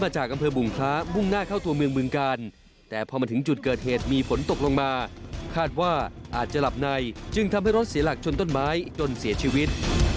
จึงทำให้รถเสียหลักชนต้นไม้จนเสียชีวิต